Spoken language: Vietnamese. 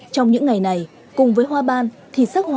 trong những ngày này cùng với hoa ban thì sắc hoa phong linh vật